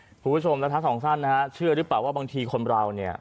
คุณผู้ชมแล้วทั้งสองท่านนะฮะเชื่อหรือเปล่าว่าบางทีคนเราเนี่ย